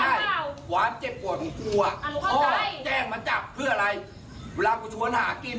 อ่าวเรื่องตอนนี้จบเลยหากินไหม